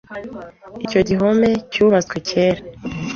Icyo gihome cyubatswe kera.